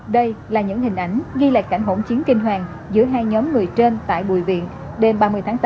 đây là những hình ảnh ghi lại cảnh hỗn chiến kinh hoàng giữa hai nhóm người trên tại bùi viện đêm ba mươi tháng tám